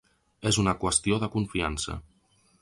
És una qüestió de confiança.